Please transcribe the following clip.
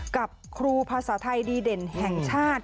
กับครูภาษาไทยดีเด่นแห่งชาติ